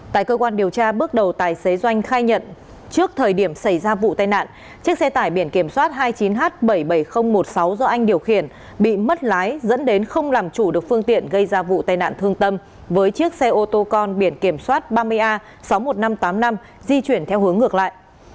tại cơ quan điều tra bước đầu tài xế doanh khai nhận trước thời điểm xảy ra vụ tai nạn chiếc xe tải biển kiểm soát hai mươi chín h bảy mươi bảy nghìn một mươi sáu do anh điều khiển bị mất lái dẫn đến không làm chủ được phương tiện gây ra vụ tai nạn thương tâm với chiếc xe ô tô con biển kiểm soát ba mươi a sáu mươi một nghìn năm trăm tám mươi năm di chuyển theo hướng ngược lại